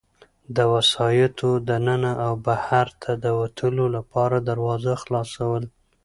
د وسایطو د ننه او بهرته د وتلو لپاره دروازه خلاصول.